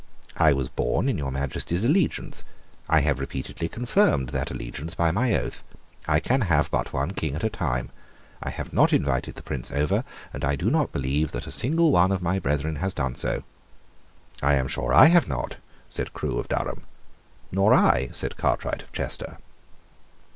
"I was born in your Majesty's allegiance. I have repeatedly confirmed that allegiance by my oath. I can have but one King at one time. I have not invited the Prince over; and I do not believe that a single one of my brethren has done so." "I am sure I have not," said Crewe of Durham. "Nor I," said Cartwright of Chester.